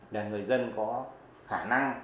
để người dân có khả năng